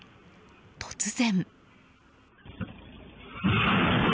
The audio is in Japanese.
突然。